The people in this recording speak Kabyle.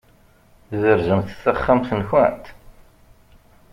Tberzemt-d taxxamt-nkent?